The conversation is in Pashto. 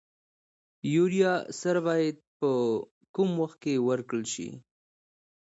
یوریا سره باید په کوم وخت کې ورکړل شي؟